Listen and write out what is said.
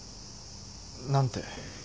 何て？